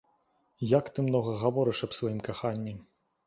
Як ты многа гаворыш аб сваім каханні.